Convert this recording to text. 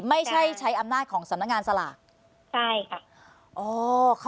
ไม่ใช่ใช้อำนาจของสำนักงานสลากใช่ค่ะ